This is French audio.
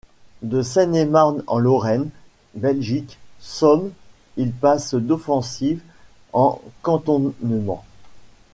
De Seine et Marne en Lorraine, Belgique, Somme, il passe d’offensives en cantonnements.